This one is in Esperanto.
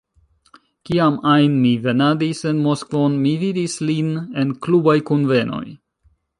Kiam ajn mi venadis en Moskvon, mi vidis lin en klubaj kunvenoj.